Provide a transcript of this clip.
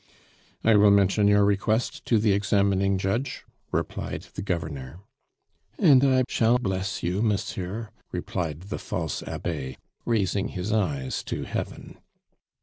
"I will mention your request to the examining judge," replied the Governor. "And I shall bless you, monsieur!" replied the false Abbe, raising his eyes to heaven.